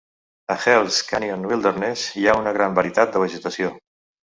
A Hells Canyon Wilderness hi ha una gran varietat de vegetació.